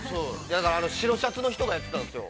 ◆だから、白シャツの人がやってたんですよ。